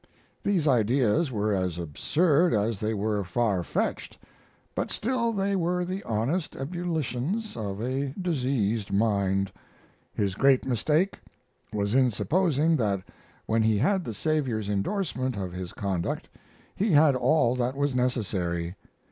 These ideas were as absurd as they were farfetched, but still they were the honest ebullitions of a diseased mind. His great mistake was in supposing that when he had the Saviour's indorsement of his conduct he had all that was necessary.